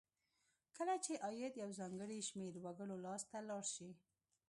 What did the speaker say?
کله چې عاید یو ځانګړي شمیر وګړو لاس ته لاړ شي.